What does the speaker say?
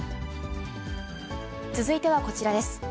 続いてはこちらです。